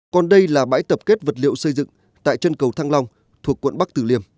còn đây là bãi tập kết vật liệu xây dựng tại chân cầu thăng long thuộc quận bắc tử liêm